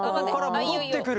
戻ってくる。